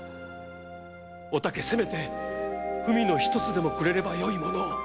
「お竹せめて文のひとつでもくれればよいものを！」